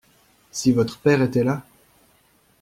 Si votre père était là!